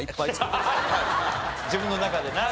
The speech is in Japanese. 自分の中でな。